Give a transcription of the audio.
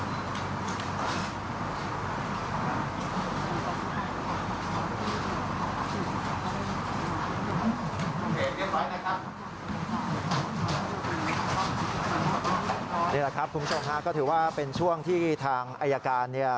นี่แหละครับคุณผู้ชมฮะก็ถือว่าเป็นช่วงที่ทางอายการเนี่ย